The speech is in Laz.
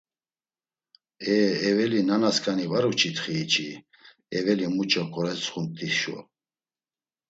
E eveli nanasǩani var uç̌itxii çi, eveli muç̌o ǩoretsxumt̆i şo?